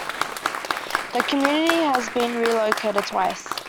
The community has been relocated twice.